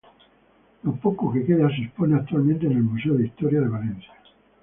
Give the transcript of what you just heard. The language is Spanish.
Lo poco que queda se expone actualmente en el Museo de Historia de Valencia.